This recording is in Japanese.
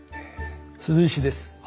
鈴石です。